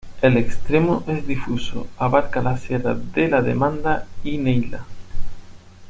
El extremo es difuso, abarca las Sierras de la Demanda y Neila.